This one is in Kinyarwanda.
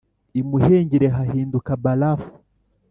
imuhengeri hahinduka barafu